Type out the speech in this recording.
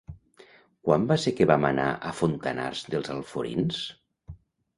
Quan va ser que vam anar a Fontanars dels Alforins?